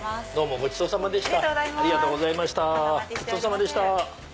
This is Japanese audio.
ごちそうさまでした。